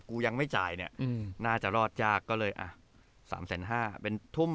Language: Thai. ยังไม่จ่ายเนี่ยน่าจะรอดยากก็เลยอ่ะ๓๕๐๐เป็นทุ่ม